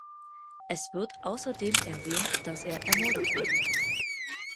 Es wird außerdem erwähnt, dass er ermordet wurde.